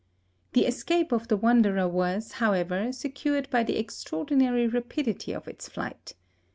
The escape of the wanderer was, however, secured by the extraordinary rapidity of its flight.